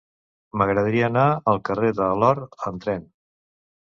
M'agradaria anar al carrer de l'Or amb tren.